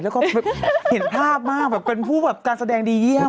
แล้วก็เห็นภาพมากแบบเป็นผู้แบบการแสดงดีเยี่ยม